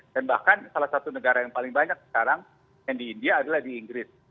dan bahkan salah satu negara yang paling banyak sekarang yang di india adalah di inggris